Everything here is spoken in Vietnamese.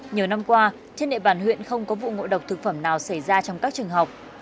nhiều năm qua trên địa bàn huyện không có vụ ngộ độc thực phẩm nào xảy ra trong các trường học